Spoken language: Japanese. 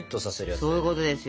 そういうことですよ。